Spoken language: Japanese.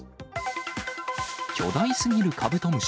巨大すぎるカブトムシ。